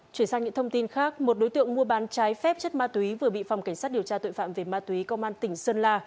chuyển sang những thông tin khác một đối tượng mua bán trái phép chất ma túy vừa bị phòng cảnh sát điều tra tội phạm về ma túy công an tỉnh sơn la